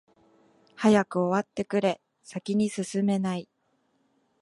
早く終わってくれ、先に進めない。